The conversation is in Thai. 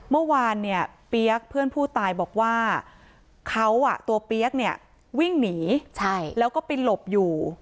เมื่อวานเนี่ยเปี๊ยกเพื่อนผู้ตายบอกว่าเขาตัวเปี๊ยกเนี่ยวิ่งหนีแล้วก็ไปหลบอยู่